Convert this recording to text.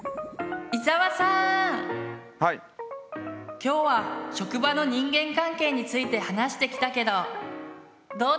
今日は職場の人間関係について話してきたけどどうでした？